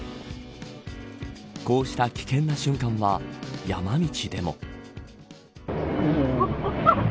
こうした危険な瞬間は山道でも。